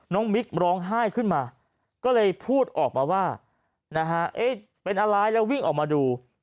มิ๊กร้องไห้ขึ้นมาก็เลยพูดออกมาว่าเป็นอะไรแล้ววิ่งออกมาดู